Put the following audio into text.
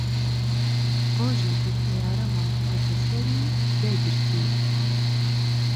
ڕۆژێ کە تەیارەمان هاتە سەر و دایگرتین